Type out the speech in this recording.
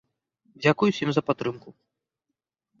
Дзякуй усім за падтрымку!